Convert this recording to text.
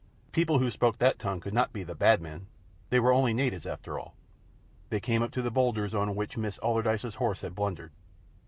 People who spoke that tongue could not be the Bad Men. They were only natives after all. They came up to the boulders on which Miss Allardyce's horse had blundered.